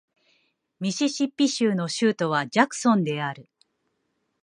ミシシッピ州の州都はジャクソンである